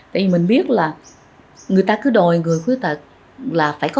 tại vì mình biết là người ta cứ đòi người khuyết tật là phải có